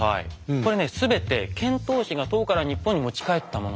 これね全て遣唐使が唐から日本に持ち帰ったものなんですよ。